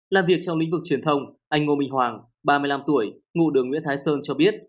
làm việc trong lĩnh vực truyền thông anh ngô minh hoàng ba mươi năm tuổi ngụ đường nguyễn thái sơn cho biết